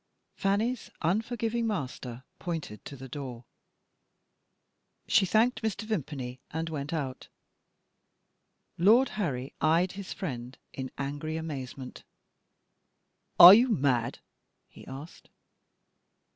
Fanny's unforgiving master pointed to the door; she thanked Mr. Vimpany, and went out. Lord Harry eyed his friend in angry amazement. "Are you mad?" he asked.